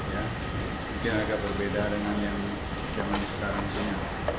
mungkin agak berbeda dengan yang zaman sekarang saja